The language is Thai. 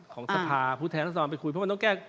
ของสภาภูเทศไปคุยเพราะมันต้องแก้